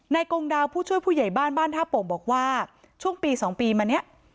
กงดาวผู้ช่วยผู้ใหญ่บ้านบ้านท่าโป่งบอกว่าช่วงปี๒ปีมาเนี่ย